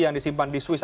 yang disimpan di swiss